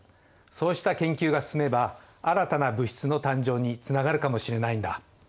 そうした研究が進めば新たな物質の誕生につながるかもしれないんだ。